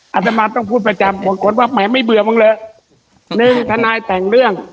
อาตมาต้องพูดประจำบางคนว่าแหมไม่เบื่อมึงเลยหนึ่งทนายแต่งเรื่อง